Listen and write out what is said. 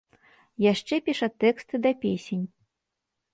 Яшчэ піша тэксты да песень.